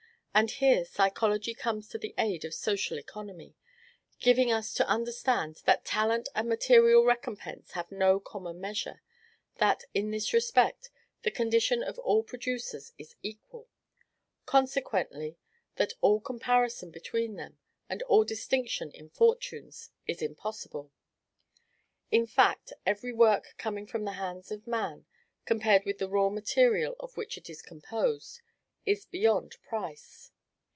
And here psychology comes to the aid of social economy, giving us to understand that talent and material recompense have no common measure; that, in this respect, the condition of all producers is equal: consequently, that all comparison between them, and all distinction in fortunes, is impossible. _ _In fact, every work coming from the hands of man compared with the raw material of which it is composed is beyond price.